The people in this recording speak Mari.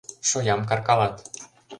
Шоям каркалат.